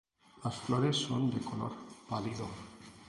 Las flores son de color pálido.